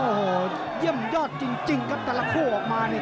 โอ้โหเยี่ยมยอดจริงครับแต่ละคู่ออกมาเนี่ย